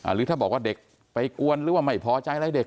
หรือถ้าบอกว่าเด็กไปกวนหรือว่าไม่พอใจอะไรเด็ก